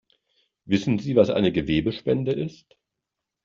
Wissen Sie, was eine Gewebespende ist?